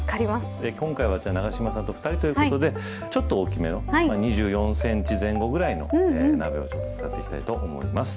今回は、永島さんと２人ということでちょっと大きめの２４センチ前後くらいの鍋を使っていきたいと思います。